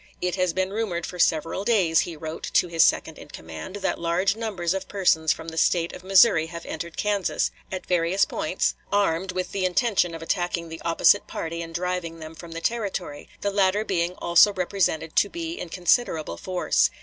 "It has been rumored for several days," he wrote to his second in command, "that large numbers of persons from the State of Missouri have entered Kansas, at various points, armed, with the intention of attacking the opposite party and driving them from the Territory, the latter being also represented to be in considerable force.